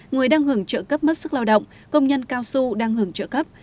người đang hưởng trợ cấp mất sức lao động công nhân cao su đang hưởng trợ cấp